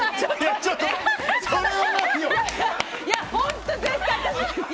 それはないよ！